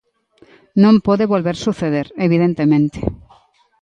Non pode volver suceder, evidentemente.